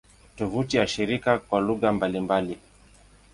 Tovuti ya shirika kwa lugha mbalimbali